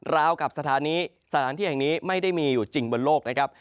ราวกับสถานีสถานที่แห่งนี้ไม่ได้มีอยู่จริงบนโลกนะครับ